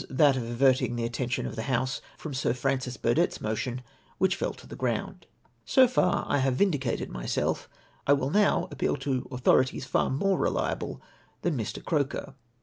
that of averting the attention of the House from Sir Francis Burdett's motion, which fell to the ground. X 3 310 ITS COXFIRMATIOX So far I have vindicated myself, I v^ill now appeal to authorities far more reliable than Mr. Croker.